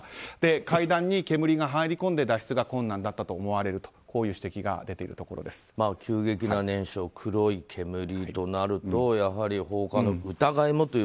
階段に煙が入り込んで脱出が困難だったと思われる急激な燃焼、黒い煙となると放火の疑いもという。